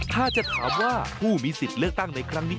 ถ้าจะถามว่าผู้มีสิทธิ์เลือกตั้งในครั้งนี้